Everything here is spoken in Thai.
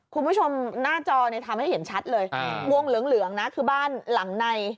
คุณผู้ชมหน้าจอเนี่ยทำให้เห็นชัดเลยวงเหลืองนะคือบ้านหลังใน